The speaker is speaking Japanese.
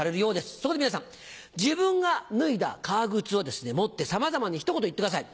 そこで皆さん自分が脱いだ革靴を持ってさまざまに一言言ってください。